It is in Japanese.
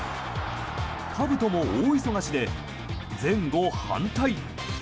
かぶとも大忙しで前後反対。